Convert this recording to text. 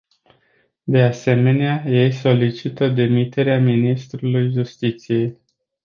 De asemenea ei solicită demiterea ministrului justiției.